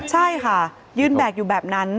ใช่ค่ะยืนแบกอยู่แบบนั้น